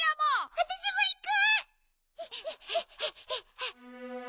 あたしもいく！